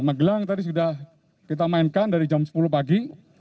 magelang tadi sudah kita mainkan dari jam sepuluh pagi